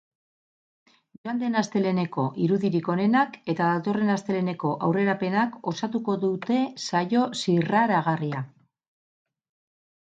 Joan den asteleheneko irudirik onenak eta datorren asteleheneko aurrerapenak osatuko dute saio zirraragarria.